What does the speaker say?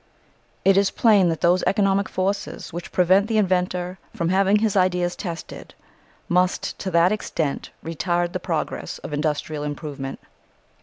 It is plain that those economic forces which prevent the inventor from having his ideas tested must to that extent retard the progress of industrial improvement.